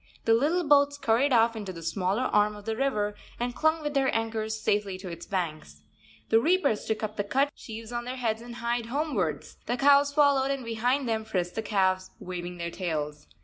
The little boats scurried off into the smaller arm of the river and clung with their anchors safely to its banks. The reapers took up the cut sheaves on their heads and hied homewards; the cows followed, and behind them frisked the calves waving their tails.